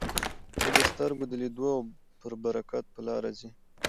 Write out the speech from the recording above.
نه د سترګو د لیدلو او پر برکت په لاره ځي.